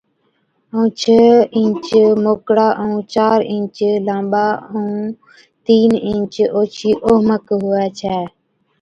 ائُون ڇه اِنچ موڪڙا ائُون چار اِنچ لانٻا ائُون تِين اِنچ اوڇِي اوهمڪ هُوَي ڇَي۔